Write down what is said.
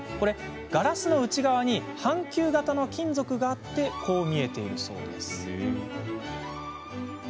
ガラスの内側に半球形の金属があってこう見えているんです。